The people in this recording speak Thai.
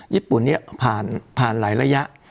ญี่ปุ่นนี้ผ่านหลายระยะ